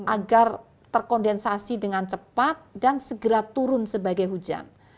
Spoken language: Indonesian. agar terkondensasi dengan cepat dan segera turun sebagai hujan